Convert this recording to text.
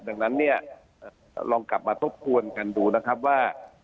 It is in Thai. ดังนั้นเนี่ยลองกลับมาทบทวนกันดูนะครับว่า